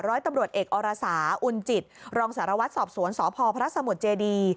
ร้อยตำรวจเอกอรสาอุณจิตรองสารวัตรสอบสวนสพพระสมุทรเจดี